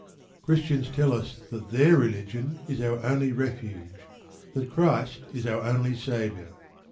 Christians tell us that their religion is our only refuge, that Christ is our only saviour.